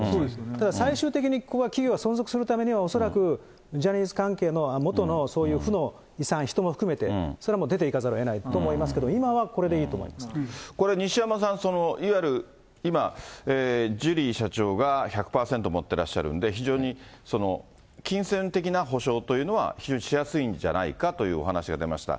ただ最終的に企業が存続するためには恐らく、ジャニーズ関係の元のそういう負の遺産、人も含めて、それはもう出ていかざるをえないと思いますけど、今これ、西山さん、いわゆる今、ジュリー社長が１００％持ってらっしゃるんで、非常に金銭的な補償というのは非常にしやすいんじゃないかというお話が出ました。